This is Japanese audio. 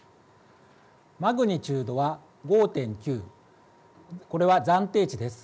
マグニチュードは５．９これは暫定値です。